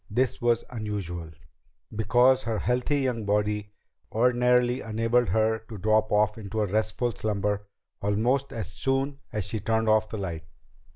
This was unusual, because her healthy young body ordinarily enabled her to drop off into restful slumber almost as soon as she turned off the light.